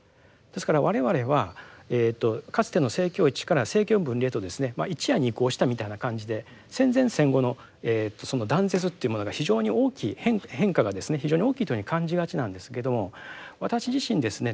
ですから我々はかつての政教一致から政教分離へとですね一夜に移行したみたいな感じで戦前戦後の断絶っていうものが非常に大きい変化がですね非常に大きいというふうに感じがちなんですけども私自身ですね